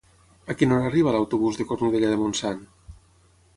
A quina hora arriba l'autobús de Cornudella de Montsant?